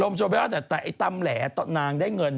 ลมโชยเพราะคือก็ตำแหลตตะถหนางได้เงิน